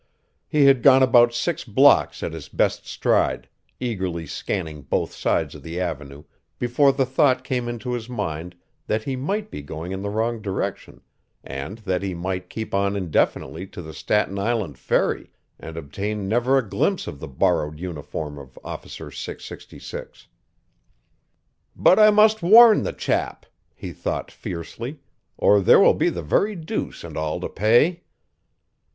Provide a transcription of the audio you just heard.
He had gone about six blocks at his best stride, eagerly scanning both sides of the avenue before the thought came into his mind that he might be going in the wrong direction and that he might keep on indefinitely to the Staten Island ferry and obtain never a glimpse of the borrowed uniform of Officer 666. "But I must warn the chap," he thought fiercely, "or there will be the very deuce and all to pay."